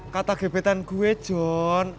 kata gebetan gue john